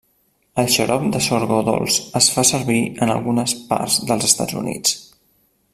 El xarop de sorgo dolç es fa servir en algunes parts dels Estats Units.